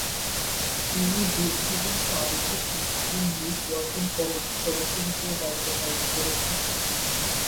তিনি দীর্ঘদিন প্রাদেশিক মুসলিম লীগ ওয়ার্কিং কমিটির সদস্য হিসেবে দায়িত্বপালন করেছেন।